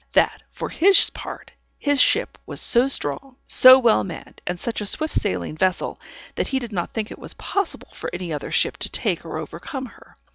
That, for his part, his ship was so strong, so well manned, and such a swift sailing vessel, that he did not think it was possible for any other ship to take or overcome her.